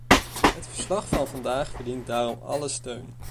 Het verslag van vandaag verdient daarom alle steun.